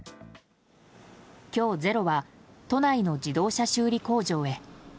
今日、「ｚｅｒｏ」は都内の自動車修理工場へ。